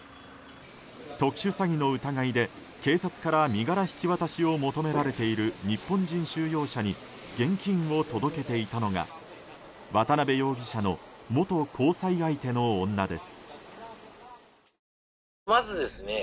特殊詐欺の疑いで警察から身柄引き渡しを求められている日本人収容者に現金を届けていたのが渡邉容疑者の元交際相手の女です。